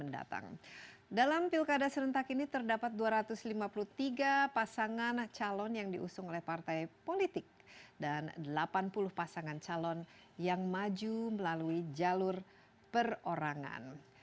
dalam pilkada serentak ini terdapat dua ratus lima puluh tiga pasangan calon yang diusung oleh partai politik dan delapan puluh pasangan calon yang maju melalui jalur perorangan